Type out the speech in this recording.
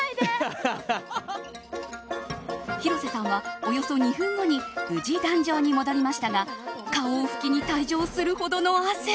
広瀬さんはおよそ２分後に無事、壇上に戻りましたが顔を拭きに退場するほどの汗。